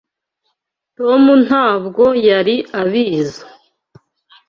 Tom ntabwo yari abizo.